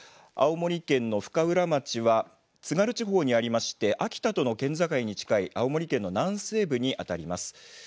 青森県の深浦町は津軽地方にありまして秋田との県境に近い青森県の南西部にあたります。